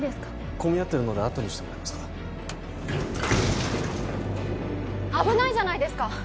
混み合ってるのであとにしてもらえますか危ないじゃないですか！